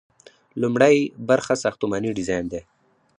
لومړی برخه ساختماني ډیزاین دی.